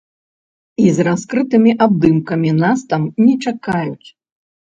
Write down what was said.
І з раскрытымі абдымкамі нас там не чакаюць.